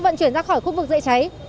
vận chuyển ra khỏi khu vực dễ cháy